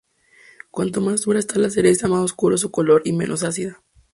Cuanto más madura está la cereza más oscuro es su color y menos ácida.